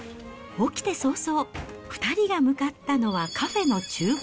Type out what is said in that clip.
起きて早々、２人が向かったのは、カフェのちゅう房。